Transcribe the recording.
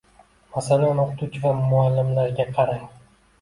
Masalan, o‘qituvchi va muallimlarga qarang.